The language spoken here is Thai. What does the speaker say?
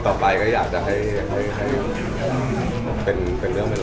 ตอนนี้คนคุย